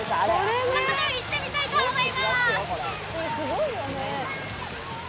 早速、行ってみたいと思いまーす。